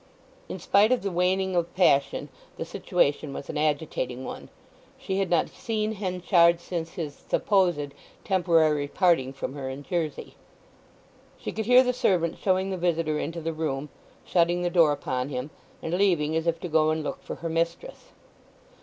In spite of the waning of passion the situation was an agitating one—she had not seen Henchard since his (supposed) temporary parting from her in Jersey. She could hear the servant showing the visitor into the room, shutting the door upon him, and leaving as if to go and look for her mistress.